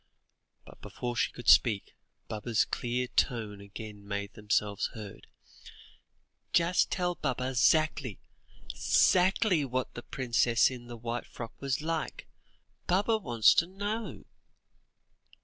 But before she could speak, Baba's clear tones again made themselves heard. "Just tell Baba 'zackly 'zackly what the princess in the white frock was like; Baba wants to know."